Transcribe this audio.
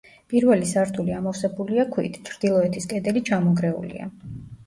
პირველი სართული ამოვსებულია ქვით, ჩრდილოეთის კედელი ჩამონგრეულია.